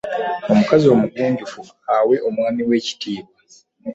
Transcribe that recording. Omukazi omugunjufu awe omwami we ekitiibwa.